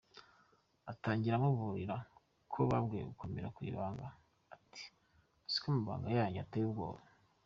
Atangira amuburira ko bakwiye gukomera ku ibanga ati “uziko amabanga yanyu ateye ubwoba ?